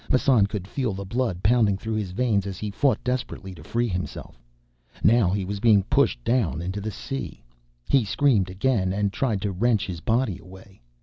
Massan could feel the blood pounding through his veins as he fought desperately to free himself. Now he was being pushed down into the sea. He screamed again and tried to wrench his body away.